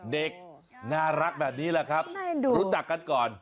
เด็กน่ารักแบบนี้แหละครับรู้จักกันก่อน